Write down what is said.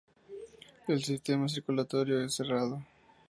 El sistema circulatorio es cerrado.